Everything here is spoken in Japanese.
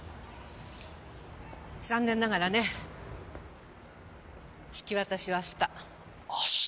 残念ながらね引き渡しは明日。